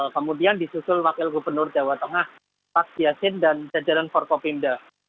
kemudian disusul wakil gubernur jawa tengah pak yasin dan jajaran forkopimda